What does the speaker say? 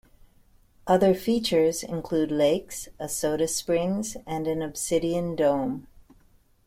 Other features include lakes, a soda springs, and an obsidian dome.